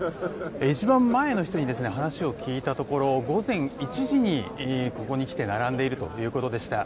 一番前の人に話を聞いたところ午前１時にここに来て並んでいるということでした。